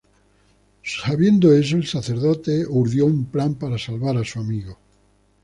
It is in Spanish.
Sabiendo eso, el sacerdote urdió un plan para salvar a su amigo.